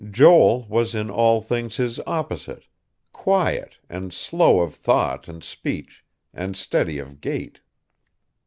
Joel was in all things his opposite, quiet, and slow of thought and speech, and steady of gait.